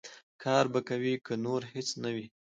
کار به کوې، که نور هېڅ نه وي.